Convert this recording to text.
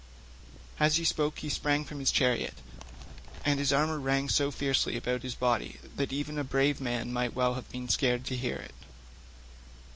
As he spoke he sprang from his chariot, and his armour rang so fiercely about his body that even a brave man might well have been scared to hear it.